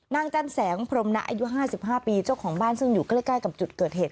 จันแสงพรมนะอายุ๕๕ปีเจ้าของบ้านซึ่งอยู่ใกล้กับจุดเกิดเหตุ